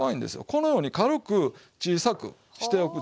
このように軽く小さくしておくでしょ。